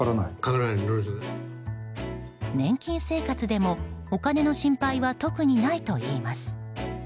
年金生活でもお金の心配は特にないといいます。